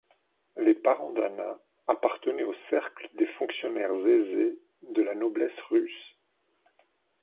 Les parents d'Anna appartenaient au cercle des fonctionnaires aisés de la noblesse russe.